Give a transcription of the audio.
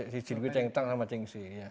si jin kui cheng tang sama cheng se ya